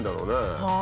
はい。